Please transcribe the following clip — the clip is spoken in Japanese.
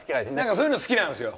そういうの好きなんですよ。